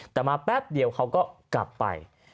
แต่มาแป๊บเดียวเขาก็กลับไป